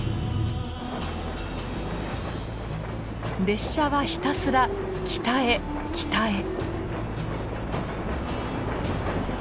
列車はひたすら北へ北へ。